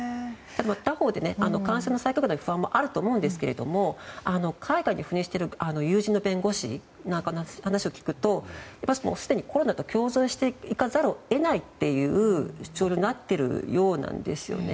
他方で、感染対策などの不安もあると思いますが海外に赴任している友人の弁護士の話を聞くとすでにコロナと共存していかざるを得ないという潮流になっているようなんですね。